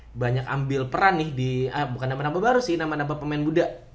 saya banyak ambil peran nih di bukan nama nama baru sih nama nama pemain muda